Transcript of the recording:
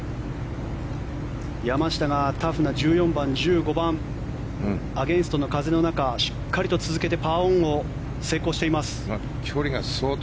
山下がタフな１４番、１５番アゲンストの風の中しっかりと続けてパーオンを成功しています。